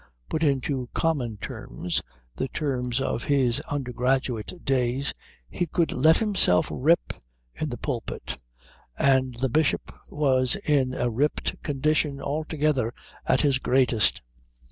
Put into common terms, the terms of his undergraduate days, he could let himself rip in the pulpit; and the Bishop was in a ripped condition altogether at his greatest.